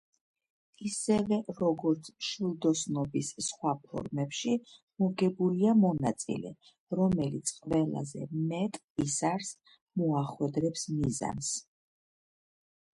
ისევე როგორც მშვილდოსნობის სხვა ფორმებში, მოგებულია მონაწილე, რომელიც ყველაზე მეტ ისარს მოახვედრებს მიზანს.